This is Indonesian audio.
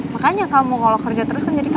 makanya kamu kalo kerja terus kan jadi kaku